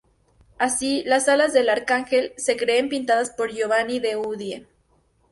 Así, las alas del arcángel se creen pintadas por Giovanni da Udine.